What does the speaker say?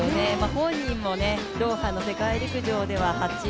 本人もドーハの世界陸上では８位。